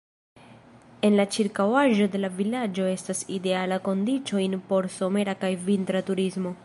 En la ĉirkaŭaĵo de la vilaĝo estas idealaj kondiĉojn por somera kaj vintra turismo.